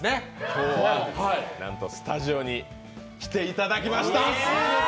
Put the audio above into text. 今日は、なんとスタジオに来ていただきました！